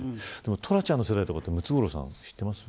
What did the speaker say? トラちゃんの世代はムツゴロウさん知ってます。